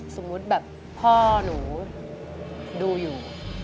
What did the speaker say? สมมุติแบบพ่อหนูดูอยู่